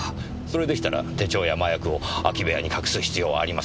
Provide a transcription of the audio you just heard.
それでしたら手帳や麻薬を空き部屋に隠す必要はありません。